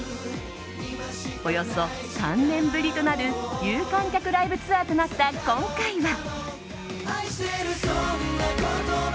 およそ３年ぶりとなる有観客ライブツアーとなった今回は。